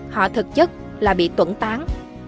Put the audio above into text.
họ thực chất là bị tuẩn tán